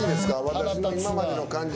私の今までの感じ。